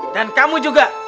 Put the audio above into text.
dan kamu juga